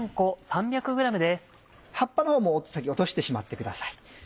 葉っぱは先落としてしまってください。